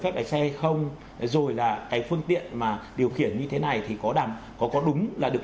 phép đại xe không rồi là cái phương tiện mà điều khiển như thế này thì có đàmioso đúng là được